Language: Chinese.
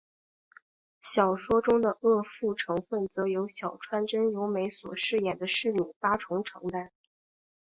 小说中的恶妇成份则由小川真由美所饰演的侍女八重承担。